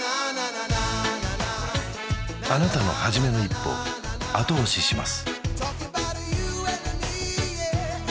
あなたの初めの一歩後押しします